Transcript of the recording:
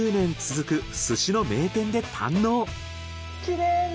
きれいね。